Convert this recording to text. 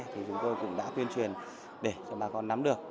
thì chúng tôi cũng đã tuyên truyền để cho bà con nắm được